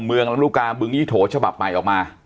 เมืองลำลูกกาบึงยี่โถฉบับใหม่ออกมา